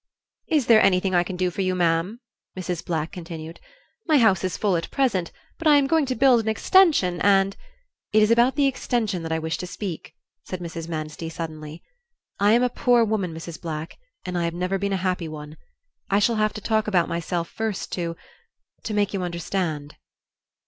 "Is there anything I can do for you, ma'am?" Mrs. Black continued. "My house is full at present, but I am going to build an extension, and " "It is about the extension that I wish to speak," said Mrs. Manstey, suddenly. "I am a poor woman, Mrs. Black, and I have never been a happy one. I shall have to talk about myself first to to make you understand."